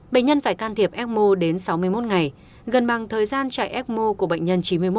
bệnh nhân phải can thiệp ecmo đến sáu mươi một ngày gần bằng thời gian chạy ecmo của bệnh nhân chín mươi một